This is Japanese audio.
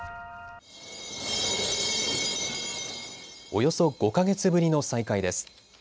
およそ５か月ぶりの再開です。